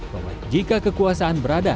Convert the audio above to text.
bahwa jika kekuasaan berada